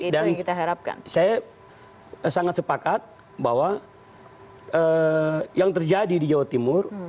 dan saya sangat sepakat bahwa yang terjadi di jawa timur